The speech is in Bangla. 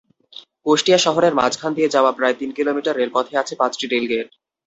কুষ্টিয়া শহরের মাঝখান দিয়ে যাওয়া প্রায় তিন কিলোমিটার রেলপথে আছে পাঁচটি রেলগেট।